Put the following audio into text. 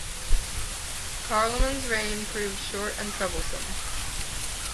Carloman's reign proved short and troublesome.